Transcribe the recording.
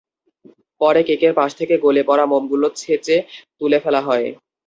পরে কেকের পাশ থেকে গলে পড়া মোমগুলো চেঁছে তুলে ফেলা হয়।